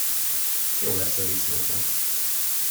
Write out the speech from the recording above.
Jó lesz a disznóknak.